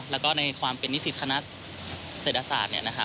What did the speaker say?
แล้วก็ในความเป็นนิสิตคณะเศรษฐศาสตร์